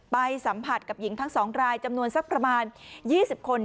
ไปสัมผัสกับหญิงทั้ง๒รายจำนวนสักประมาณ๒๐คน